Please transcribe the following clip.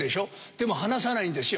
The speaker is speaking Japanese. でも離さないんですよ。